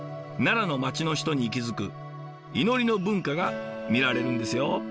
奈良の町の人に息づく祈りの文化が見られるんですよ。